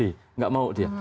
enggak mau dia